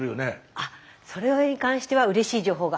あそれに関してはうれしい情報が。